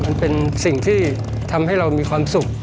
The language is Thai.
มันเป็นสิ่งที่ทำให้เรามีความสุข